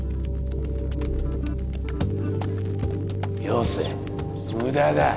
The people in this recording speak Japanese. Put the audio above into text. よせ無駄だ。